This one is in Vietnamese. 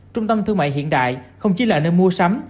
trung tâm thương mại hiện đại không chỉ là nơi mua sắm